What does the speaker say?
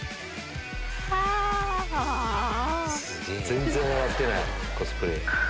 全然笑ってないコスプレーヤー。